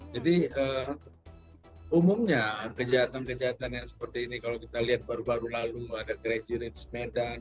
jadi umumnya kejahatan kejahatan yang seperti ini kalau kita lihat baru baru lalu ada kerajinit semedan